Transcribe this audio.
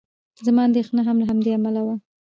زما اندېښنه هم له همدې امله وه.